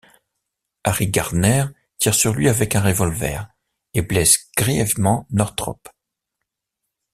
Harry Gardner tire sur lui avec un révolver et blesse grièvement Northrop.